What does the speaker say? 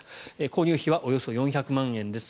購入費はおよそ４００万円です。